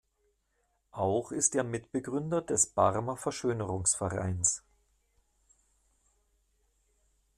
Auch ist er Mitbegründer des Barmer Verschönerungsvereins.